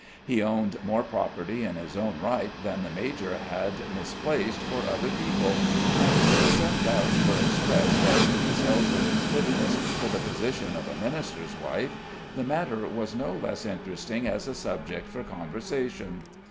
He owned more property in his own right than the major had misplaced for other people; and though some doubts were expressed as to Miss Elserly's fitness for the position of a minister's wife, the matter was no less interesting as a subject for conversation.